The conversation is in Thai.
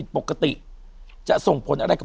อยู่ที่แม่ศรีวิรัยิลครับ